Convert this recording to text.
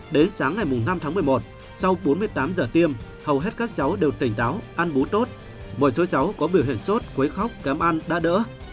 đến sáng ngày năm tháng một mươi một sau bốn mươi tám giờ tiêm hầu hết các cháu đều tỉnh táo ăn bú tốt một số cháu có biểu hiện sốt quấy khóc kém ăn đã đỡ